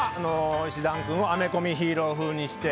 いしだんくんをアメコミヒーロー風にして。